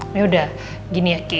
yaudah gini ya ki